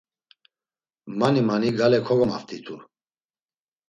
Mani mani gale kogamaft̆itu.